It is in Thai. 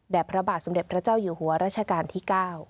พระบาทสมเด็จพระเจ้าอยู่หัวรัชกาลที่๙